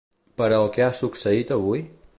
Però què ha succeït avui?